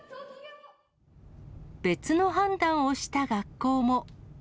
別の判断をした学校も。